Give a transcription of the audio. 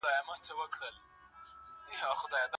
هیله باید هېڅکله د پردیو خلکو د لیدلو اجازه ونه لري.